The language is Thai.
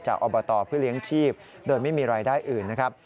อบตเพื่อเลี้ยงชีพโดยไม่มีรายได้อื่นนะครับ